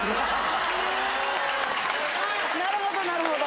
なるほどなるほど！